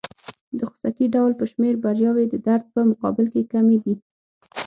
د خوسکي ډول په شمېر بریاوې د درد په مقابل کې کمې دي.